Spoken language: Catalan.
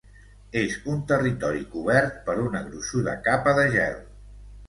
És un territori cobert per una gruixuda capa de gel.